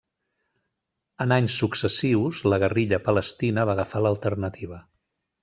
En anys successius, la guerrilla palestina va agafar l'alternativa.